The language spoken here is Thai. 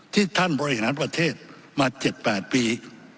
ที่ท่านบริหารประเทศมา๗๘ปี